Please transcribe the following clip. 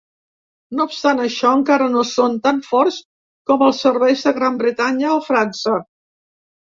No obstant això, encara no són tant forts com els serveis de Gran Bretanya o França.